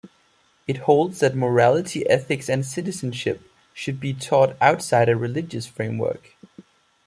It holds that morality, ethics and citizenship should be taught outside a religious framework.